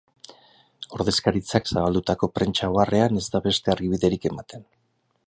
Ordezkaritzak zabaldutako prentsa oharrean ez da beste argibiderik ematen.